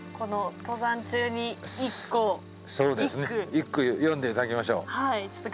一句詠んで頂きましょう。